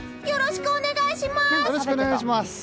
よろしくお願いします！